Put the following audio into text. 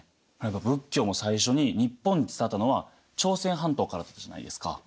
仏教も最初に日本に伝わったのは朝鮮半島からだったじゃないですか。